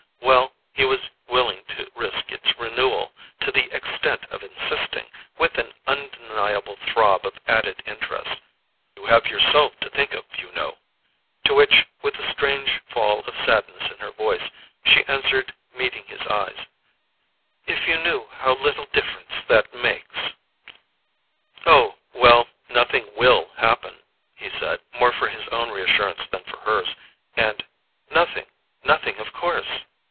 Well, he was willing to risk its renewal to the extent of insisting, with an undeniable throb of added interest: "You have yourself to think of, you know—" to which, with a strange fall of sadness in her voice, she answered, meeting his eyes: "If you knew how little difference that makes!" "Oh, well, nothing WILL happen," he said, more for his own reassurance than for hers; and "Nothing, nothing, of course!"